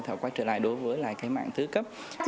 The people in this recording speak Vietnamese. có thể quay trở lại đối với mạng thư cấp